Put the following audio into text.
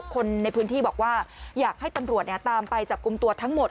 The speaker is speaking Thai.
คนในพื้นที่บอกว่าอยากให้ตำรวจตามไปจับกลุ่มตัวทั้งหมด